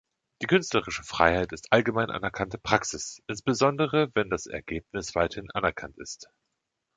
Die künstlerische Freiheit ist allgemein anerkannte Praxis, insbesondere wenn das Ergebnis weithin anerkannt ist.